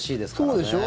そうでしょ？